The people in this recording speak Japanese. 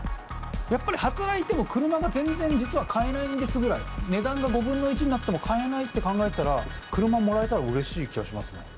やっぱり働いても車が全然実は買えないんですぐらい値段が５分の１になっても買えないって考えたら車もらえたらうれしい気がしますね。